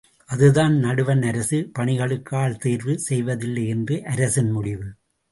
அதுதான் நடுவண் அரசு பணிகளுக்கு ஆள் தேர்வு செய்வதில்லை என்ற அரசின் முடிவு.